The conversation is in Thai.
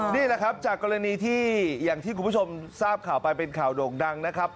นี่แหละครับจากกรณีที่อย่างที่คุณผู้ชมทราบข่าวไปเป็นข่าวโด่งดังนะครับ